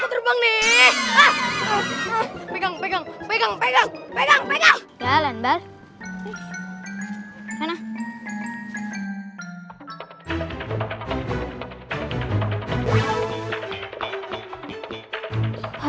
pegang pegang pegang pegang pegang pegang jalan bar